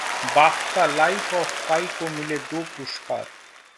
BAFTA: ‘life of Pi’ को मिले दो पुरस्कार